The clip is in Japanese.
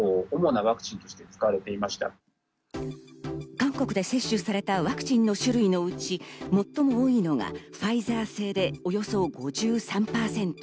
韓国で接種されたワクチンの種類のうち、最も多いのがファイザー製でおよそ５３％。